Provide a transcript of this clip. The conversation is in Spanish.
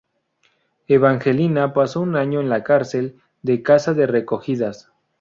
Evangelina pasó un año en la cárcel de Casa de Recogidas.